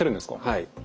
はい。